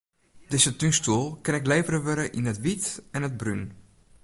Dizze túnstoel kin ek levere wurde yn it wyt en it brún.